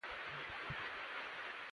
دا میوه د بدن د قوت لپاره مهم مواد لري.